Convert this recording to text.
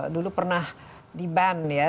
dulu pernah diban ya